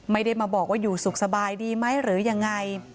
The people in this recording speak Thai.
ไม่ได้มาบอกว่าอยู่สุขสบายดีไหมหรือยังไง